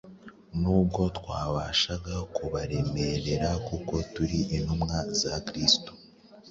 nubwo twabashaga kubaremerera kuko turi intumwa za Kristo